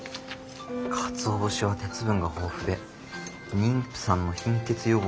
かつお節は鉄分が豊富で妊婦さんの貧血予防にも効果的と。